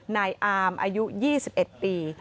นายอามอายุ๒๑ปี